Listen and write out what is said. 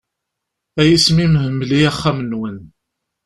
A yisem-im, mmel-iyi axxam-nwen.